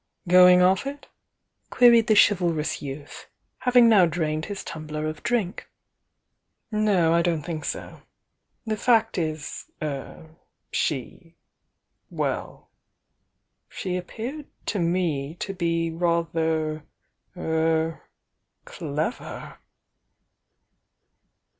"Going off it?" queried the Chivalrous Youth, having now drained his tumbler of drink. "No, I don't think so. The fact is— er— she j^well, she appeared to me to be rather — er — clever!"